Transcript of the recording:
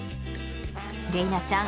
麗菜ちゃん